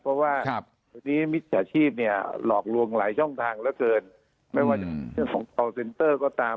เพราะว่าวันนี้มิจฉาชีพเนี่ยหลอกลวงหลายช่องทางเหลือเกินไม่ว่าจะเรื่องของคอลเซนเตอร์ก็ตาม